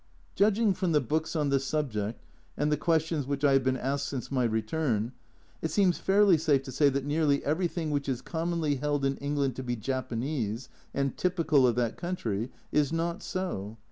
Judging from the books on the subject, and the questions which I have been asked since my return, it seems fairly safe to say that nearly everything which is commonly held in England to be "Japanese," and typical of that country, is not so.